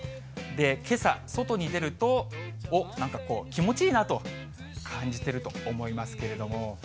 けさ、外に出ると、おっ、なんか気持ちいいなと感じてると思いますけれども。